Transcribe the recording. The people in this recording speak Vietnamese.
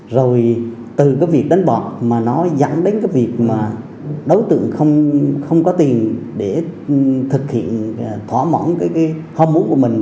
rồi từ cái việc đánh bọc mà nó dẫn đến cái việc mà đối tượng không có tiền để thực hiện thỏa mỏng cái hôn mũ của mình